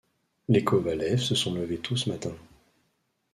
Les Kovalev se sont levés tôt ce matin.